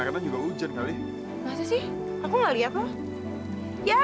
kenapa lagi rah